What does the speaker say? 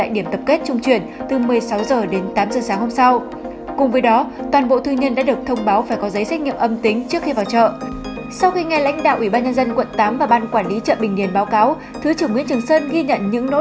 điểm tập kết trung truyền hàng hóa tại chợ bình điền chỉ thực hiện việc giao nhận hàng